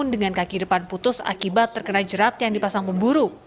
dengan kaki depan putus akibat terkena jerat yang dipasang pemburu